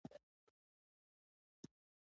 وښ خوره او غوښ خوره حیوانان